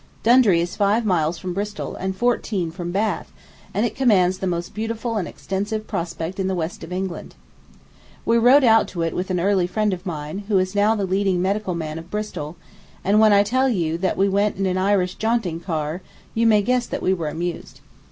Dundry is five miles from Bristol, and fourteen from Bath, and it commands the most beautiful and extensive prospect in the west of England. We rode out to it with an early friend of mine, who is now the leading medical man of Bristol; and when I tell you that we went in an Irish jaunting car, you may guess that we were amused.